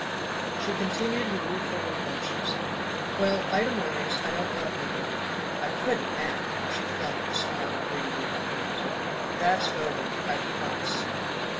She continued her rueful reflections. "Well, item one is, I don't love Nick any more. I couldn't now!" she flung at the smiling green buddha on the mantel. "That's over; I've promised."